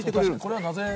これはなぜ。